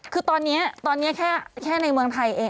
คือตอนนี้แค่ในเมืองไทยเอง